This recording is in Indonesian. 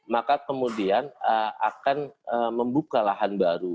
maka kemudian akan membuka lahan baru